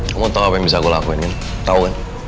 kamu tau apa yang bisa aku lakuin kan tau kan